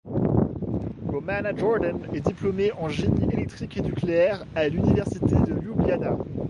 Romana Jordan est diplômée en génie électrique et nucléaire, à l'université de Ljubljana.